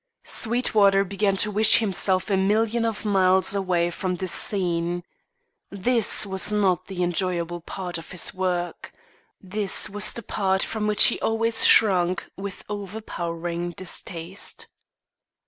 Sweetwater began to wish himself a million of miles away from this scene. This was not the enjoyable part of his work. This was the part from which he always shrunk with overpowering distaste.